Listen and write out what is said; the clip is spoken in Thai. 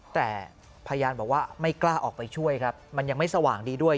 แต่พยานบอกว่าไม่กล้าออกไปช่วยครับมันยังไม่สว่างดีด้วย